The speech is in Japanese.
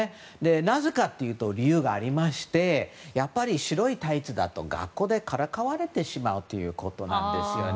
なぜかというと理由がありましてやっぱり白いタイツだと学校でからかわれてしまうということなんですね。